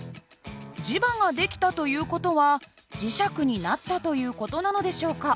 磁場が出来たという事は磁石になったという事なのでしょうか？